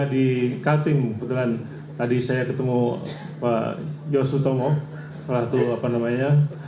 dan mengukur dan mem clearly